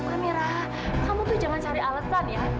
kamera kamu tuh jangan cari alasan ya